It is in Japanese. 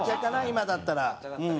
今だったら。